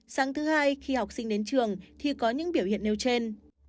sáng thứ hai khi học sinh đến trường thì có những biểu hiện nêu trên